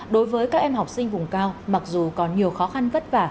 đối với các em học sinh vùng cao mặc dù còn nhiều khó khăn vất vả